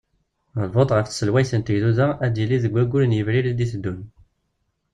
Lvot ɣef tselwayt n tegduda ad d-yili deg waggur n Yebrir id-teddun.